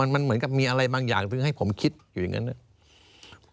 มันเหมือนกับมีอะไรบางอย่างให้ผมคิดอยู่อย่างนั้น